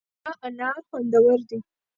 د فراه انار خوندور دي